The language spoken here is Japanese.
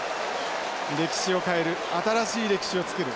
歴史を変える新しい歴史を作る。